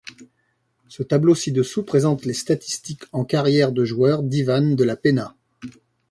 Ce tableau ci-dessous présente les statistiques en carrière de joueur d'Ivan de la Peña.